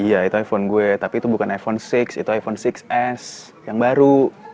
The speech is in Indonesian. iya itu iphone gue tapi itu bukan iphone enam itu iphone enam s yang baru